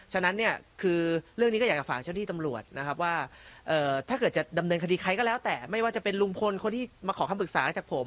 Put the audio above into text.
ฉะนั้นเนี่ยคือเรื่องนี้ก็อยากจะฝากเจ้าที่ตำรวจนะครับว่าถ้าเกิดจะดำเนินคดีใครก็แล้วแต่ไม่ว่าจะเป็นลุงพลคนที่มาขอคำปรึกษาจากผม